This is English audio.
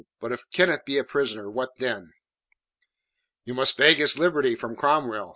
But if Kenneth be a prisoner, what then?" "You must beg his liberty from Cromwell.